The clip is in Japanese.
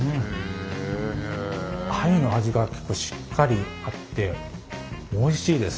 鮎の味が結構しっかりあっておいしいです。